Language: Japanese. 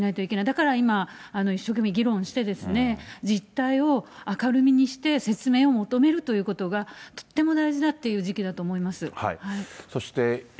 だから今、一生懸命議論して、実態を明るみにして、説明を求めるということが、とっても大事だという時期だと思います。